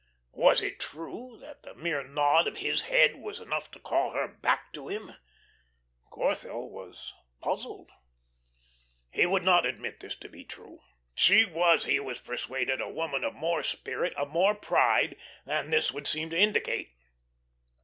Was it true that the mere nod of his head was enough to call her back to him? Corthell was puzzled. He would not admit this to be true. She was, he was persuaded, a woman of more spirit, of more pride than this would seem to indicate.